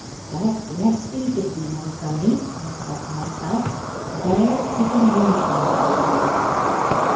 'God bless thee, Dicky my sonny,' I said to myself; 'there's a delusion for thee!'"